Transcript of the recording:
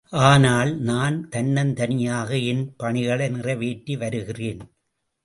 ஆனால், நான் தன்னந்தனியாக என் பணிகளை நிறைவேற்றி வருகிறேன்.